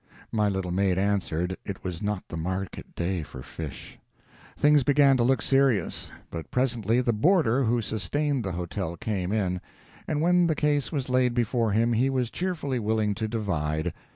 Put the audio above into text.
My little maid answered, it was not the market day for fish. Things began to look serious; but presently the boarder who sustained the hotel came in, and when the case was laid before him he was cheerfully willing to divide.